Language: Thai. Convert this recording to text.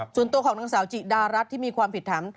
ส่วนตัวของนางสาวจิดารัฐที่มีความผิดถาม